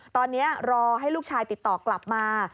ตอนนี้รอให้ลูกชายติดต่อกลับมา